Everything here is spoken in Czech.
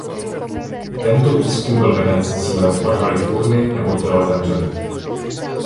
Tento výzkum byl veden z cílem odhalit urny nebo těla zemřelých.